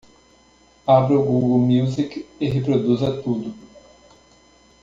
Abra o Google Music e reproduza tudo.